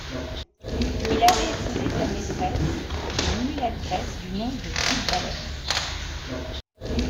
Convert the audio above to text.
Il avait épousé sa maîtresse, une mulâtresse du nom de Villevaleix.